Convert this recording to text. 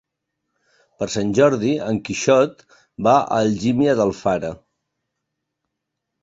Per Sant Jordi en Quixot va a Algímia d'Alfara.